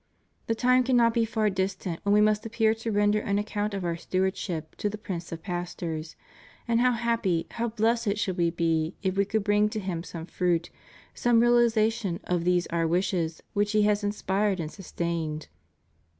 The time cannot be far distant when We must appear to render an account of Our stewardship to the Prince of pastors, and how happy, how blessed should We be if We could bring to Him some fruit — some reali zation of these Our wishes which He has inspired and sustained.